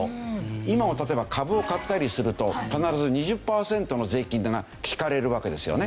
今も例えば株を買ったりすると必ず２０パーセントの税金が引かれるわけですよね。